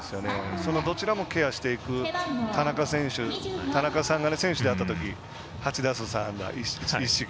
そのどちらもケアしていく田中さんが選手だったとき８打数３安打１四球